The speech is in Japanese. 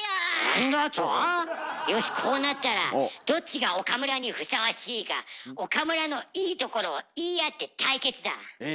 何だと⁉よしこうなったらどっちが岡村にふさわしいか岡村のいいところを言い合って対決だ！え？